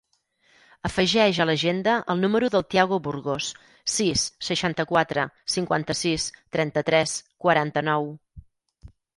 Afegeix a l'agenda el número del Thiago Burgos: sis, seixanta-quatre, cinquanta-sis, trenta-tres, quaranta-nou.